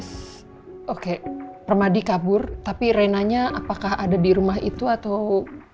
terus oke permadi kabur tapi reina nya apakah ada di rumah itu atau